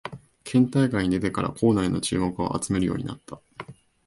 県大会に出てから校内の注目を集めるようになった